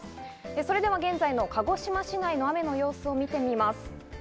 それでは現在の鹿児島市内の雨の様子を見てみます。